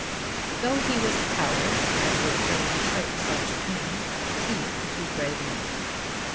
Though he was a coward and would fain shirk such pain, she could be brave enough.